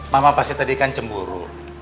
mama pasti tadi kan cemburu